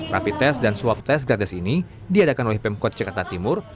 rapi tes dan swab tes gratis ini diadakan oleh pemkot jakarta timur